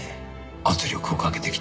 圧力をかけてきた。